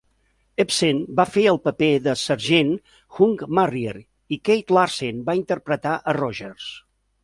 Ebsen va fer el paper de sergent Hunk Marriner; Keith Larsen va interpretar a Rogers.